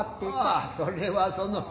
ああそれはそのう。